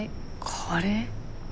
カレー？